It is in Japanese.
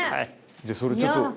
じゃあそれちょっと。